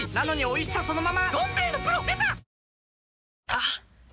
あっ！